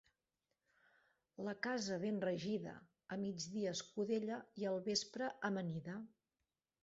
La casa ben regida, a migdia escudella i al vespre amanida.